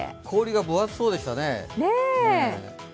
氷が分厚そうでしたね。